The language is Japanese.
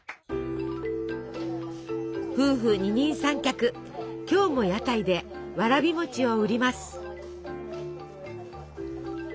夫婦二人三脚今日も屋台でわらび餅を売ります。